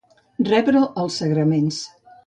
Rebre els sagraments.